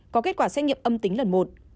có kết quả xét nghiệm âm tính lần một